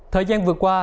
thời gian vừa qua